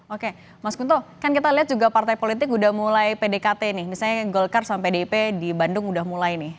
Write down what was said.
oke mas kunto kan kita lihat juga partai politik udah mulai pdkt nih misalnya golkar sampai dp di bandung udah mulai nih